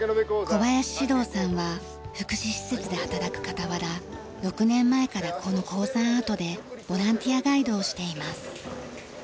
小林史朗さんは福祉施設で働く傍ら６年前からこの鉱山跡でボランティアガイドをしています。